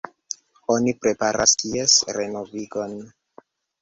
Oni preparas ties renovigon.